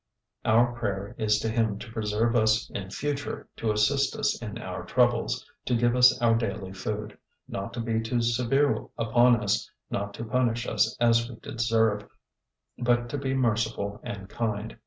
Our prayer is to Him to preserve us in future, to assist us in our troubles, to give us our daily food, not to be too severe upon us, not to punish us as we deserve, but to be merciful and kind.